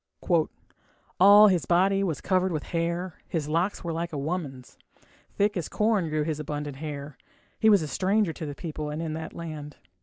All his body was covered with hair, His locks were like a woman's, Thick as corn grew his abundant hair. He was a stranger to the people and in that land.